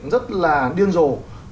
rất là điên rồ